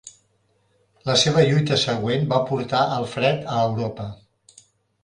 La seva lluita següent va portar Alfred a Europa.